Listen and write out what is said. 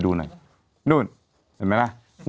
ศูนย์อุตุนิยมวิทยาภาคใต้ฝั่งตะวันอ่อค่ะ